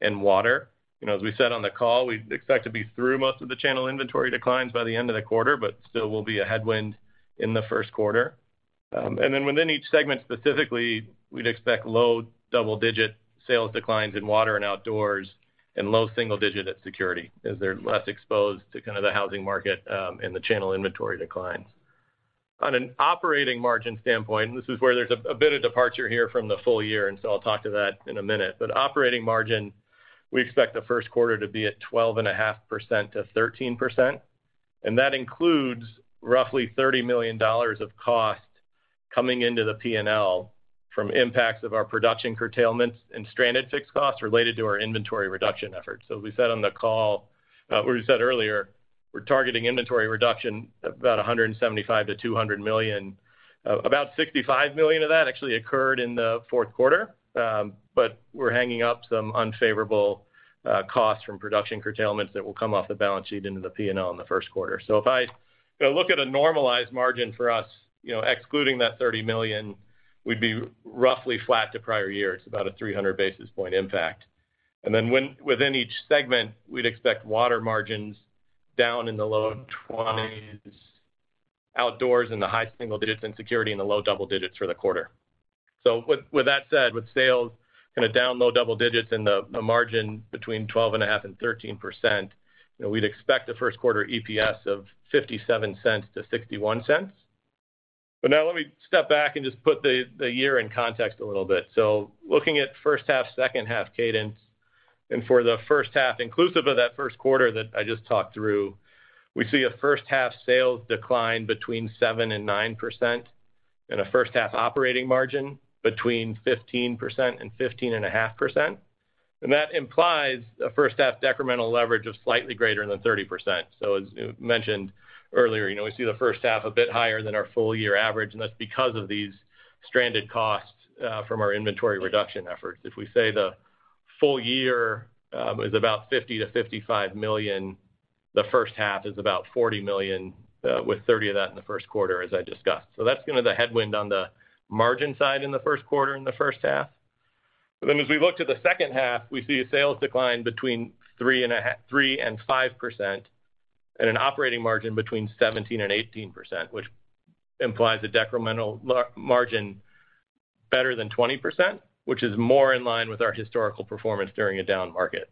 and Water. You know, as we said on the call, we expect to be through most of the channel inventory declines by the end of the quarter. Still will be a headwind in the first quarter. Within each segment specifically, we'd expect low double-digit sales declines in Water and Outdoors and low single digit at security, as they're less exposed to kind of the housing market and the channel inventory declines. Operating margin standpoint, this is where there's a bit of departure here from the full year, and so I'll talk to that in a minute. Operating margin, we expect the first quarter to be at 12.5%-13%. That includes roughly $30 million of cost coming into the P&L from impacts of our production curtailments and stranded fixed costs related to our inventory reduction efforts. As we said on the call, we said earlier, we're targeting inventory reduction of about $175 million-$200 million. About $65 million of that actually occurred in the fourth quarter, we're hanging up some unfavorable costs from production curtailments that will come off the balance sheet into the P&L in the first quarter. Look at a normalized margin for us, excluding that $30 million, we'd be roughly flat to prior years, about a 300 basis point impact. Within each segment, we'd expect Water margins down in the low 20s%, Outdoors in the high single-digits%, and Security in the low double-digits% for the quarter. With sales kinda down low double-digits% and the margin between 12.5% and 13%, we'd expect a first quarter EPS of $0.57-$0.61. Now let me step back and just put the year in context a little bit. Looking at first half, second half cadence, for the first half inclusive of that first quarter that I just talked through, we see a first half sales decline between 7% and 9% and a first half operating margin between 15% and 15.5%. That implies a first half decremental leverage of slightly greater than 30%. As mentioned earlier, you know, we see the first half a bit higher than our full year average, and that's because of these stranded costs from our inventory reduction efforts. If we say the full year is about $50 million-$55 million, the first half is about $40 million, with 30 of that in the first quarter, as I discussed. That's kind of the headwind on the margin side in the first quarter and the first half. As we look to the second half, we see a sales decline between 3%-5% and an operating margin between 17%-18%, which implies a decremental margin better than 20%, which is more in line with our historical performance during a down market.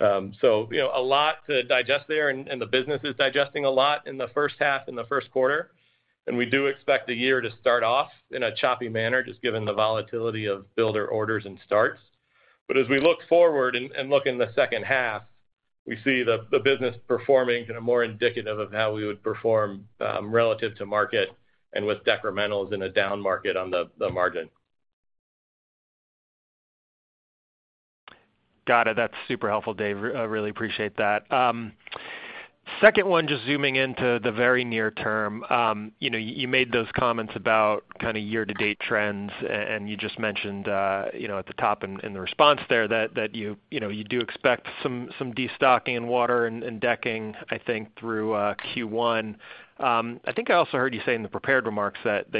You know, a lot to digest there, and the business is digesting a lot in the first half, in the first quarter, and we do expect the year to start off in a choppy manner just given the volatility of builder orders and starts. As we look forward and look in the second half, we see the business performing kind of more indicative of how we would perform relative to market and with decrementals in a down market on the margin. Got it. That's super helpful, Dave. Really appreciate that. Second one just zooming into the very near term. You know, you made those comments about kinda year-to-date trends, and you just mentioned, you know, at the top in the response there that you know, you do expect some destocking in water and decking, I think, through Q1. I think I also heard you say in the prepared remarks that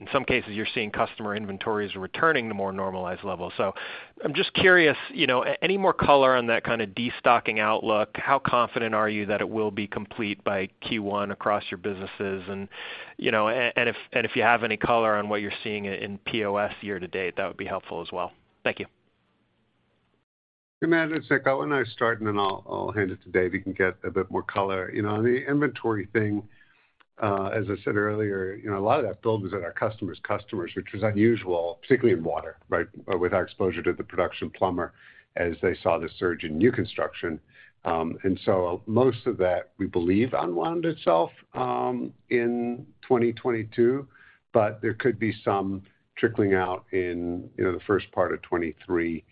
in some cases, you're seeing customer inventories returning to more normalized levels. I'm just curious, you know, any more color on that kinda destocking outlook? How confident are you that it will be complete by Q1 across your businesses? And, you know, if you have any color on what you're seeing in POS year to date, that would be helpful as well. Thank you. Hey, Matt, it's Nick. Why don't I start, and then I'll hand it to Dave. He can get a bit more color. You know, on the inventory thing, as I said earlier, you know, a lot of that build was at our customers' customers, which was unusual, particularly in water, right? With our exposure to the production plumber as they saw the surge in new construction. So most of that, we believe, unwound itself, in 2022, but there could be some trickling out in, you know, the first part of 2023,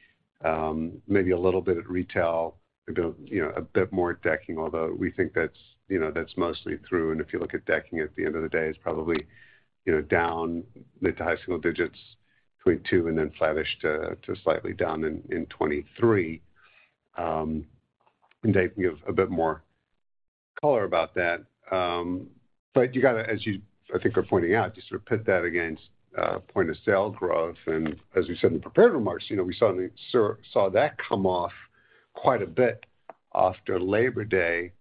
maybe a little bit at retail, you know, a bit more at decking, although we think that's, you know, that's mostly through. If you look at decking, at the end of the day, it's probably, you know, down mid to high single digits, 2022, and then flattish to slightly down in 2023. Dave can give a bit more color about that. But you gotta, as you, I think are pointing out, just sort of pit that against point of sale growth. As we said in the prepared remarks, you know, we saw that come off quite a bit after Labor Day.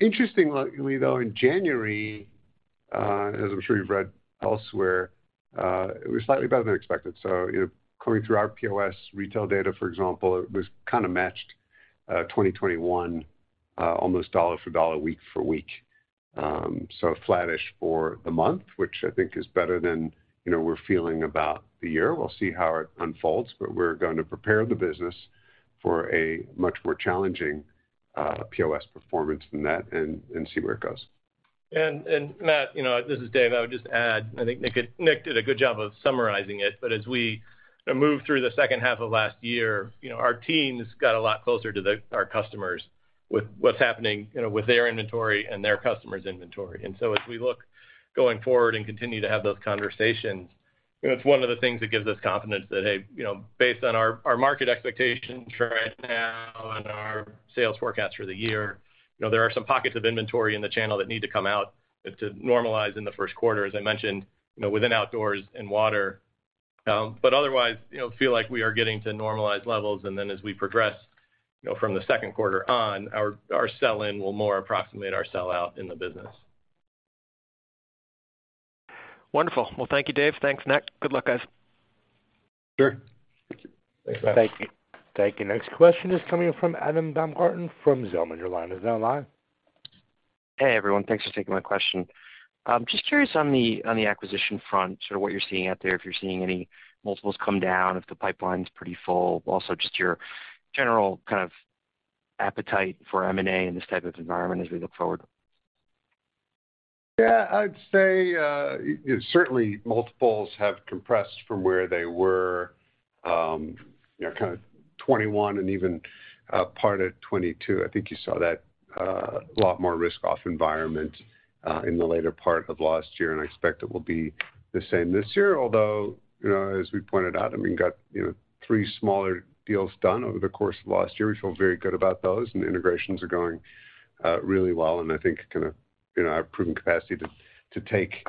Interestingly, though, in January, as I'm sure you've read elsewhere, it was slightly better than expected. You know, coming through our POS retail data, for example, it was kinda matched 2021, almost dollar for dollar, week for week. Flattish for the month, which I think is better than, you know, we're feeling about the year. We'll see how it unfolds, but we're gonna prepare the business for a much more challenging POS performance than that and see where it goes. Matt, you know, this is Dave. I would just add, I think Nick did a good job of summarizing it. As we, you know, moved through the second half of last year, you know, our teams got a lot closer to our customers with what's happening, you know, with their inventory and their customers' inventory. As we look going forward and continue to have those conversations, you know, it's one of the things that gives us confidence that, hey, you know, based on our market expectations right now and our sales forecast for the year, you know, there are some pockets of inventory in the channel that need to come out to normalize in the first quarter, as I mentioned, you know, within Outdoors and Water. Otherwise, you know, feel like we are getting to normalized levels. As we progress, you know, from the second quarter on, our sell-in will more approximate our sellout in the business. Wonderful. Thank you, Dave. Thanks, Nick. Good luck, guys. Sure. Thank you. Thanks, Matt. Thank you. Thank you. Next question is coming from Adam Baumgarten from Zelman. Your line is now live. Hey, everyone. Thanks for taking my question. Just curious on the acquisition front, sort of what you're seeing out there, if you're seeing any multiples come down, if the pipeline's pretty full, just your general kind of appetite for M&A in this type of environment as we look forward? Yeah. I'd say, certainly multiples have compressed from where they were, you know, kind of 2021 and even part of 2022. I think you saw that a lot more risk-off environment in the later part of last year, and I expect it will be the same this year. Although, you know, as we pointed out, I mean, got, you know, three smaller deals done over the course of last year. We feel very good about those, and the integrations are going really well. I think kind of, you know, our proven capacity to take,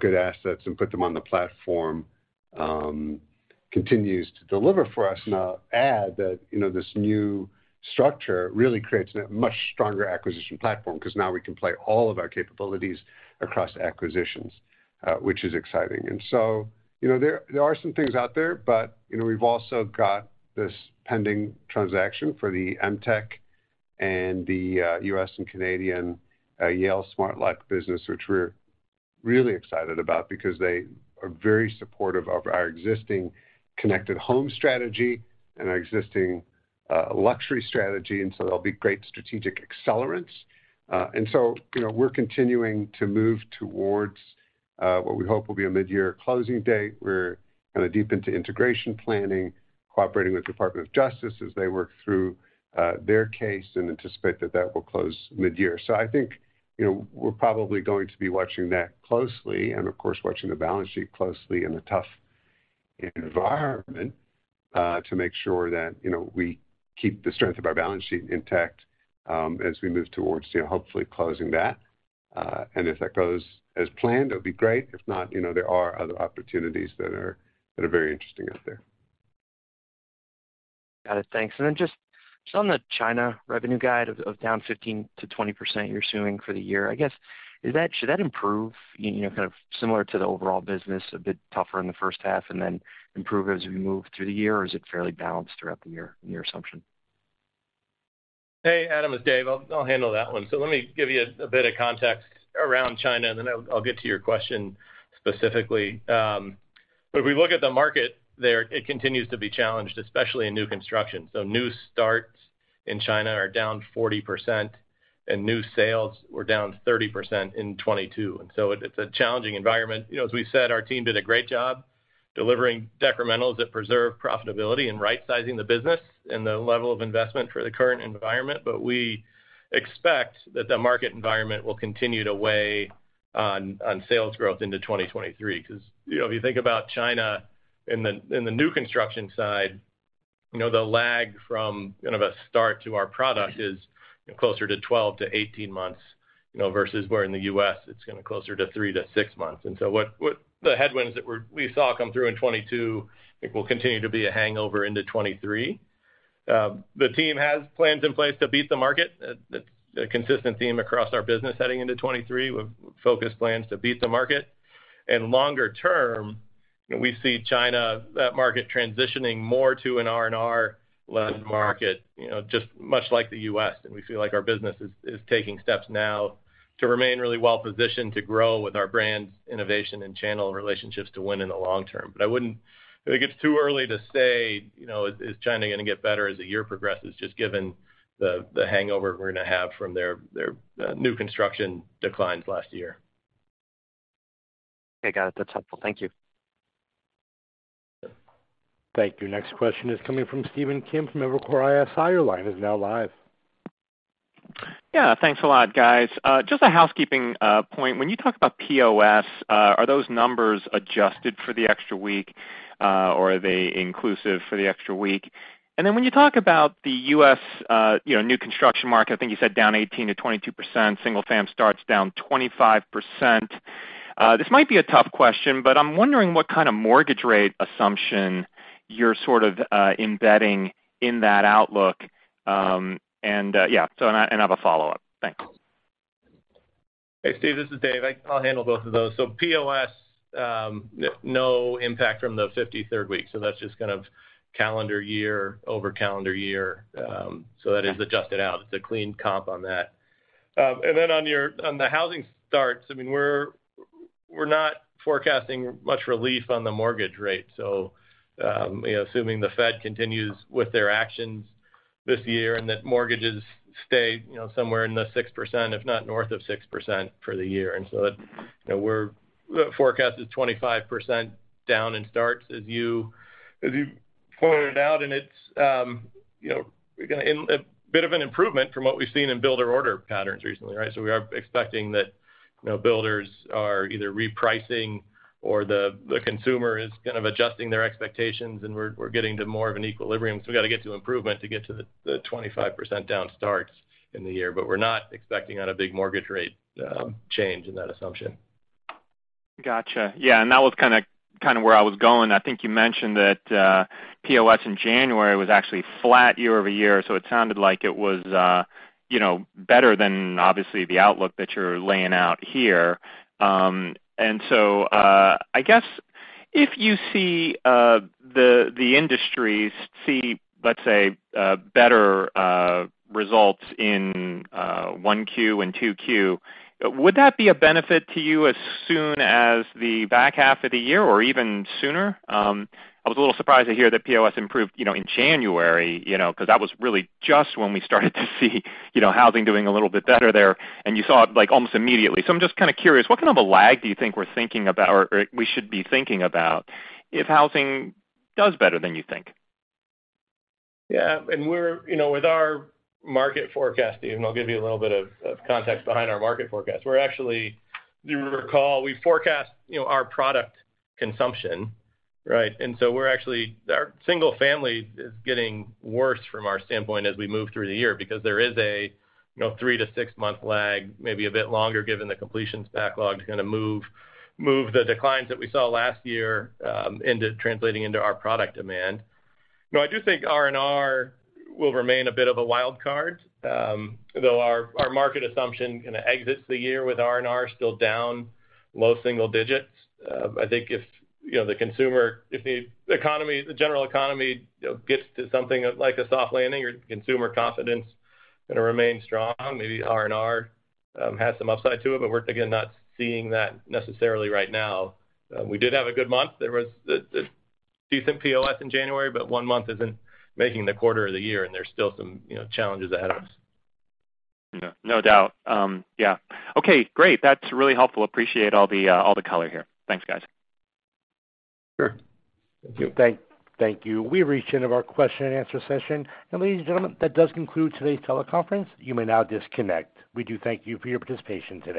good assets and put them on the platform, continues to deliver for us. I'll add that, you know, this new structure really creates a much stronger acquisition platform because now we can play all of our capabilities across acquisitions, which is exciting. you know, there are some things out there, but, you know, we've also got this pending transaction for the Emtek and the U.S. and Canadian Yale smart locks business, which we're really excited about because they are very supportive of our existing connected home strategy and our existing luxury strategy, and so they'll be great strategic accelerants. you know, we're continuing to move towards what we hope will be a midyear closing date. We're kinda deep into integration planning, cooperating with Department of Justice as they work through their case, and anticipate that that will close midyear. I think, you know, we're probably going to be watching that closely and, of course, watching the balance sheet closely in a tough environment, to make sure that, you know, we keep the strength of our balance sheet intact, as we move towards, you know, hopefully closing that. If that goes as planned, that'd be great. If not, you know, there are other opportunities that are very interesting out there. Got it. Thanks. Then just on the China revenue guide of down 15%-20% you're assuming for the year, I guess, should that improve, you know, kind of similar to the overall business, a bit tougher in the first half and then improve as we move through the year? Or is it fairly balanced throughout the year in your assumption? Hey, Adam, it's Dave. I'll handle that one. Let me give you a bit of context around China, then I'll get to your question specifically. If we look at the market there, it continues to be challenged, especially in new construction. New starts in China are down 40%, and new sales were down 30% in 2022. It's a challenging environment. You know, as we said, our team did a great job delivering decrementals that preserve profitability and rightsizing the business and the level of investment for the current environment. We expect that the market environment will continue to weigh on sales growth into 2023. 'Cause, you know, if you think about China in the, in the new construction side, you know, the lag from kind of a start to our product is closer to 12-18 months, you know, versus where in the U.S., it's gonna closer to three to six months. The headwinds that we saw come through in 2022, I think will continue to be a hangover into 2023. The team has plans in place to beat the market. That's a consistent theme across our business heading into 2023 with focused plans to beat the market. Longer term, you know, we see China, that market transitioning more to an R&R-led market, you know, just much like the U.S. We feel like our business is taking steps now to remain really well-positioned to grow with our brands, innovation, and channel relationships to win in the long term. I wouldn't, I think it's too early to say, you know, is China gonna get better as the year progresses, just given the hangover we're gonna have from their new construction declines last year. Okay, got it. That's helpful. Thank you. Thank you. Next question is coming from Stephen Kim from Evercore ISI. Your line is now live. Yeah. Thanks a lot, guys. Just a housekeeping point. When you talk about POS, are those numbers adjusted for the extra week, or are they inclusive for the extra week? When you talk about the U.S., you know, new construction market, I think you said down 18%-22%, single fam starts down 25%. This might be a tough question, but I'm wondering what kind of mortgage rate assumption you're sort of embedding in that outlook. Yeah. I have a follow-up. Thanks. Hey, Steve, this is Dave. I'll handle both of those. POS, no impact from the 53rd week, that's just kind of calendar year over calendar year. That is adjusted out. It's a clean comp on that. On the housing starts, I mean, we're not forecasting much relief on the mortgage rate. You know, assuming the Fed continues with their actions this year and that mortgages stay, you know, somewhere in the 6%, if not north of 6% for the year. You know, the forecast is 25% down in starts, as you pointed out. It's, you know, again, a bit of an improvement from what we've seen in builder order patterns recently, right? We are expecting that, you know, builders are either repricing or the consumer is kind of adjusting their expectations, and we're getting to more of an equilibrium. We gotta get to improvement to get to the 25% down starts in the year. We're not expecting on a big mortgage rate change in that assumption. Gotcha. Yeah, that was kinda where I was going. I think you mentioned that POS in January was actually flat year-over-year, so it sounded like it was, you know, better than obviously the outlook that you're laying out here. I guess if you see the industries see, let's say, better results in 1Q and 2Q, would that be a benefit to you as soon as the back half of the year or even sooner? I was a little surprised to hear that POS improved, you know, in January, you know, 'cause that was really just when we started to see, you know, housing doing a little bit better there, and you saw it like almost immediately. I'm just kind of curious, what kind of a lag do you think we're thinking about or we should be thinking about if housing does better than you think? Yeah. You know, with our market forecast, Steve, I'll give you a little bit of context behind our market forecast. You recall, we forecast, you know, our product consumption, right? Our single family is getting worse from our standpoint as we move through the year because there is a, you know, three to six-month lag, maybe a bit longer, given the completions backlog to kinda move the declines that we saw last year, into translating into our product demand. You know, I do think R&R will remain a bit of a wild card. Though our market assumption kinda exits the year with R&R still down low single digits. I think if, you know, the consumer if the economy, the general economy, you know, gets to something like a soft landing or consumer confidence gonna remain strong, maybe R&R has some upside to it. We're, again, not seeing that necessarily right now. We did have a good month. There was a decent POS in January, but one month isn't making the quarter or the year, and there's still some, you know, challenges ahead of us. No, no doubt. Yeah. Okay, great. That's really helpful. Appreciate all the, all the color here. Thanks, guys. Sure. Thank you. Thank you. We've reached the end of our question and answer session. Ladies and gentlemen, that does conclude today's teleconference. You may now disconnect. We do thank you for your participation today.